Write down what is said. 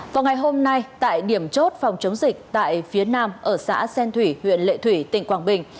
vào ngày hôm nay tại điểm chốt phòng chống dịch tại phía nam ở xã xen thủy huyện lệ thủy tỉnh quảng bình